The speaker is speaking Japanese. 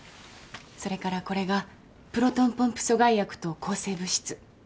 それからこれがプロトンポンプ阻害薬と抗生物質。